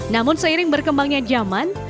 namun seiring berkembangnya zaman